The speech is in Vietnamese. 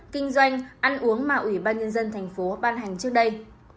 kinh doanh ăn uống mà ủy ban nhân dân tp ban hành trước đây